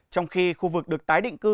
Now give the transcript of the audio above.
trong khi khu vực được tái định cư